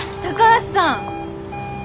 高橋さん。